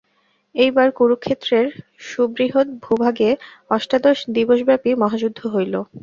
এইবার কুরুক্ষেত্রের সুবৃহৎ ভূভাগে অষ্টাদশ-দিবসব্যাপী মহাযুদ্ধ হইল।